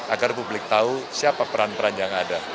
agar publik tahu siapa peran peran yang ada